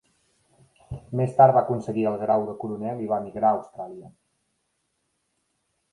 Més tard va aconseguir el grau de coronel i va emigrar a Austràlia.